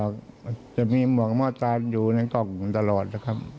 ก็จะมีหมวกหม้อตามอยู่ในกล่องตลอดนะครับ